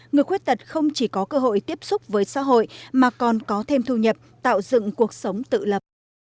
người khuyết tật không chỉ có cơ hội tiếp xúc với xã hội mà còn có thêm thu nhập tạo dựng cuộc sống tự lập